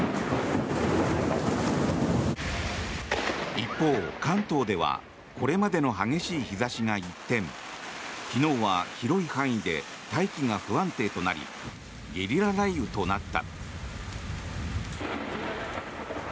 一方、関東ではこれまでの激しい日差しが一転昨日は広い範囲で大気が不安定となりゲリラ雷雨となった。